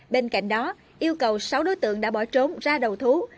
bên cạnh đó yêu cầu sáu đối tượng đã bỏ trốn ra đầu thú